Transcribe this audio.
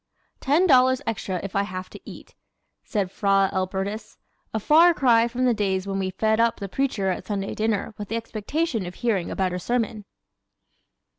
"Ten dollars extra if I have to eat," said Fra Elbertus a far cry from the days when we "fed up" the preacher at Sunday dinner with the expectation of hearing a better sermon!